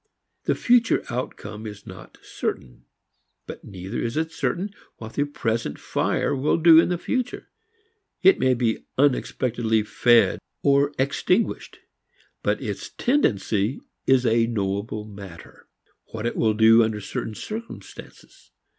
The future outcome is not certain. But neither is it certain what the present fire will do in the future. It may be unexpectedly fed or extinguished. But its tendency is a knowable matter, what it will do under certain circumstances.